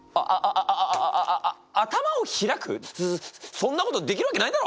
そそんなことできるわけないだろ！？